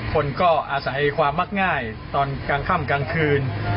คนก็อาศัยความมักง่ายตอนกลางค่ำกลางคืน